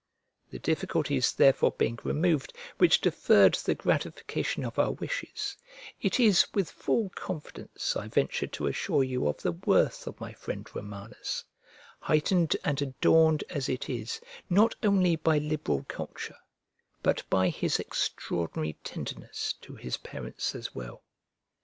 The difficulties therefore being removed which deferred the gratification of our wishes, it is with full confidence I venture to assure you of the worth of my friend Romanus, heightened and adorned as it is not only by liberal culture, but by his extraordinary tenderness to his parents as well.